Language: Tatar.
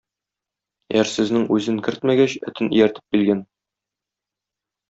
Әрсезнең үзен кертмәгәч, этен ияртеп килгән.